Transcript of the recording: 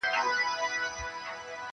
• هم ښکاري وو هم ښه پوخ تجریبه کار وو..